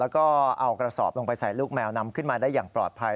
แล้วก็เอากระสอบลงไปใส่ลูกแมวนำขึ้นมาได้อย่างปลอดภัย